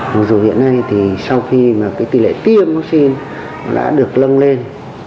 mặc dù hiện nay thì sau khi mà cái tỷ lệ tiêm vaccine đã được lân lên